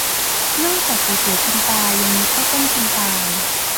นอกจากก๋วยเตี๋ยวคนตาย ยังมีข้าวต้มคนตาย